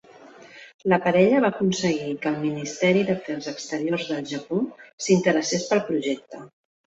La parella va aconseguir que el Ministeri d'Afers Exteriors del Japó s'interessés pel projecte.